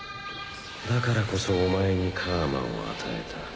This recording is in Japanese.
だからこそお前に楔を与えた。